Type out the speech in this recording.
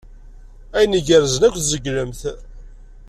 Ayen igerrzen akk tzeglem-t.